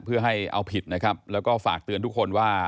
เพื่อให้เอาผิดนะครับแล้วก็ฝากเตือนทุกคนว่า